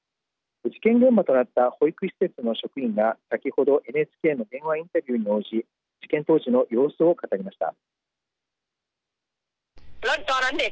事件現場となった保育施設の職員が先ほど、ＮＨＫの電話インタビューに応じ事件当時の様子を語りました。